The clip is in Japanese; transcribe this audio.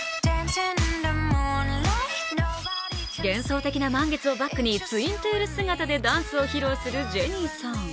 幻想的な満月をバックにツインテール姿でダンスを披露するＪＥＮＮＩＥさん。